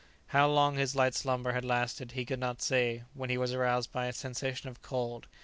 How long his light slumber had lasted he could not say, when he was aroused by a sensation of cold.